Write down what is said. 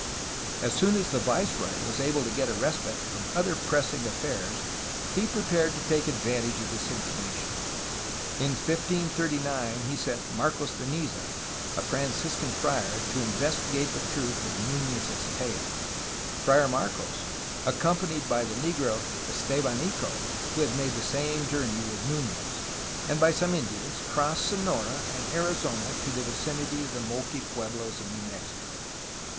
As soon as the viceroy was able to get a respite from other pressing affairs he prepared to take advantage of this information. In 1539 he sent Marcos de Niza, a Fran ciscan friar, to investigate the truth of Nunez's tale. Friar Marcos, accompanied by the negro Estevanico (who had made the journey with Nunez) and by some Indians, crossed Sonora and Arizona to the vicinity of the Moqui pueblos of New Mexico.